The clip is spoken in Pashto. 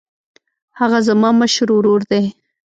هغه زما مشر ورور دی